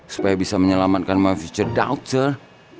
supaya bisa menyelamatkan istri saya pak regar